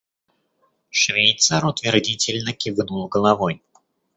Швейцар утвердительно кивнул головой.